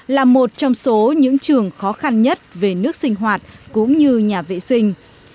là một trong số những trường khó khăn nhất về nước sinh hoạt cũng như nhà vệ sinh